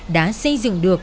đã xây dựng được